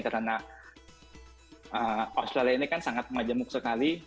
karena australia ini kan sangat majemuk sekali